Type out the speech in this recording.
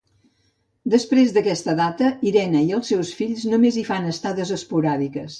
Després d'aquesta data, Irene i els seus fills només hi fan estades esporàdiques.